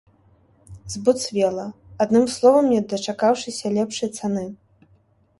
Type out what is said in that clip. Збуцвела, адным словам, не дачакаўшыся лепшай цаны.